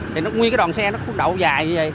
thì nguyên cái đoàn xe nó khuất đậu dài